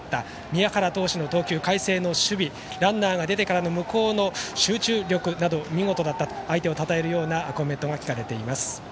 宮原投手の投球、海星の守備ランナーが出てからの向こうの集中力見事だったと相手をたたえるようなコメントが聞かれています。